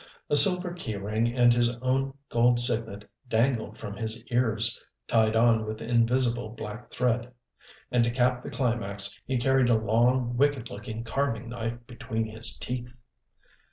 A silver key ring and his own gold signet dangled from his ears, tied on with invisible black thread. And to cap the climax he carried a long, wicked looking carving knife between his teeth.